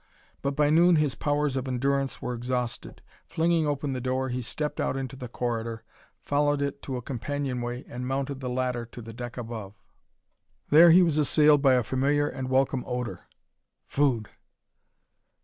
But by noon his powers of endurance were exhausted. Flinging open the door, he stepped out into the corridor, followed it to a companionway and mounted the ladder to the deck above. There he was assailed by a familiar and welcome odor food!